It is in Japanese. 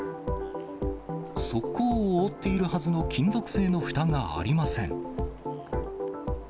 側溝を覆っているはずの金属製のふたがありません。